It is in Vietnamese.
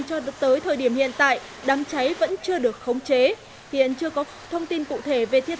cho tới thời điểm hiện tại đám cháy vẫn chưa được khống chế hiện chưa có thông tin cụ thể về thiên